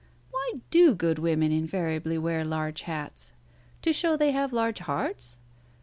Why do good women invariably wear large hats? To show they have large hearts?